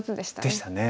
でしたね。